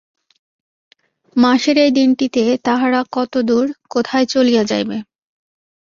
মাসের এই দিনটিতে তাহারা কতদূর, কোথায় চলিয়া যাইবে!